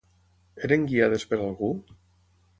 Eren guiades per algú?